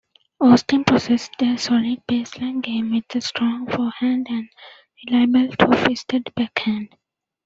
Austin possessed a solid baseline game with a strong forehand and reliable two-fisted backhand.